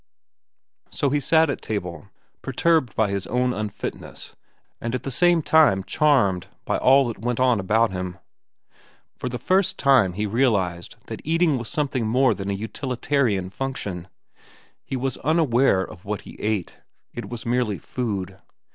So he sat at table, perturbed by his own unfitness and at the same time charmed by all that went on about him. For the first time he realized that eating was something more than a utilitarian function. He was unaware of what he ate. It was merely food.